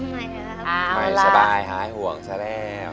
ไม่สบายหายห่วงซะแล้ว